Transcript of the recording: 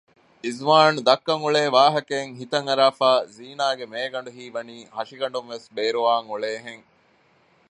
އިޒުވާނު ދައްކަން އުޅޭ ވާހަކައެއް ހިތަން އަރާފައި ޒީނާގެ މޭގަނޑު ހީވަނީ ހަށިގަނޑުންވެސް ބޭރުވާން އުޅޭހެން